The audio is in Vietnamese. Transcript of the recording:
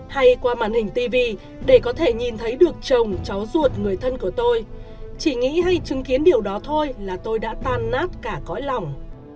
hay qua màn hình tv để có thể nhìn thấy được chồng cháu ruột người thân của tôi chỉ nghĩ hay chứng kiến điều đó thôi là tôi đã tan nát cả cõi lỏng